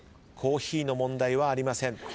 コーヒーの問題はありません。